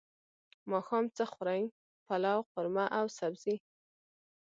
ماښام څه خورئ؟ پلاو، قورمه او سبزی